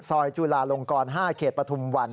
จุลาลงกร๕เขตปฐุมวัน